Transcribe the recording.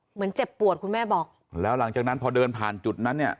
เหมือนเจ็บปวดคุณแม่บอกแล้วหลังจากนั้นพอเดินผ่านจุดนั้นเนี่ย